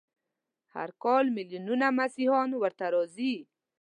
هر کال ملیونونه مسیحیان ورته راځي.